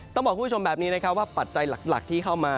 ต้องบอกคุณผู้ชมแบบนี้นะครับว่าปัจจัยหลักที่เข้ามา